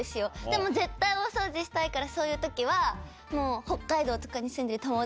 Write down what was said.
でも絶対大掃除したいからそういう時は。